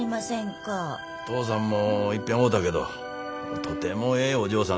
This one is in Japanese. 父さんもいっぺん会うたけどとてもええお嬢さん。